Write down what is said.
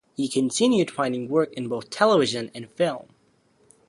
He continued finding work in both television and film.